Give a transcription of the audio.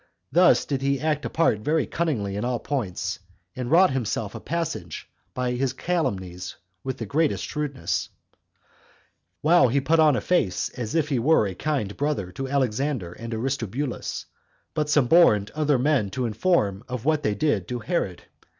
Thus did he act a part very cunningly in all points, and wrought himself a passage by his calumnies with the greatest shrewdness; while he put on a face as if he were a kind brother to Alexander and Aristobulus, but suborned other men to inform of what they did to Herod.